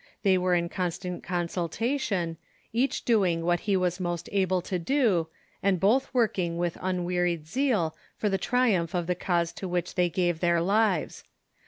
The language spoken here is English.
They were in con stant consultation, each doing what he Avas most able to do, and both working with unwearied zeal for the triumph of the cause to which they gave their lives.